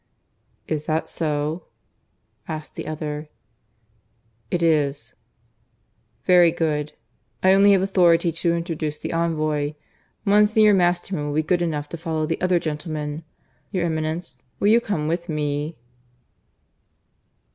"Is that so?" asked the other. "It is." "Very good. I only have authority to introduce the envoy. Monsignor Masterman will be good enough to follow the other gentleman. Your Eminence, will you come with me?"